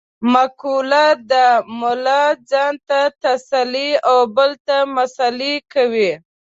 مقوله ده : ملا ځان ته تسلې او بل ته مسعلې کوي.